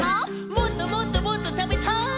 もっともっともっとたベタイ。